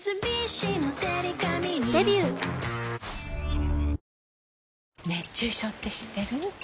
ニトリ熱中症って知ってる？